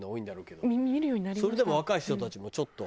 それでも若い人たちもちょっと。